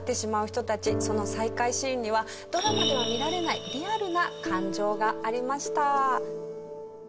その再会シーンにはドラマでは見られないリアルな感情がありました。